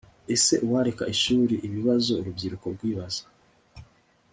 ese uwareka ishuri ibibazo urubyiruko rwibaza